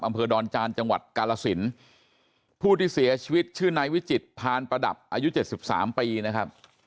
อำเภอดอนจานจังหวัดกาลสินผู้ที่เสียชีวิตชื่อนายวิจิตพานประดับอายุเจ็ดสิบสามปีนะครับ